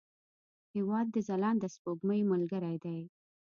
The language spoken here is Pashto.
هېواد د ځلانده سپوږمۍ ملګری دی.